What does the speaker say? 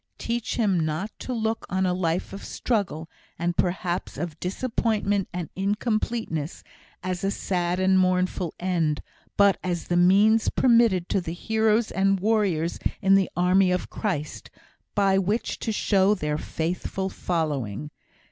Teach him not to look on a life of struggle, and perhaps of disappointment and incompleteness, as a sad and mournful end, but as the means permitted to the heroes and warriors in the army of Christ, by which to show their faithful following.